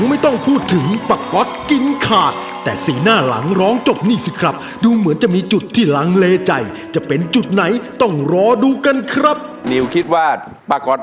จะเป่าคาถามหาเรื่อยโดนหัวใจคนสวยให้มาลงเสนีย